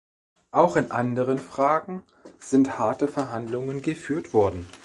Auch in anderen Fragen sind harte Verhandlungen geführt worden.